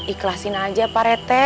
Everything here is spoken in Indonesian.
ikhlasin aja pak rete